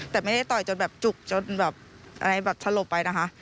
แต่ไม่ได้ต่อยจนแบบจุกจนแบบอะไรแบบสลบไปนะคะ